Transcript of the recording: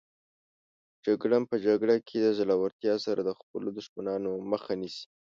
جګړن په جګړه کې د زړورتیا سره د خپلو دښمنانو مخه نیسي.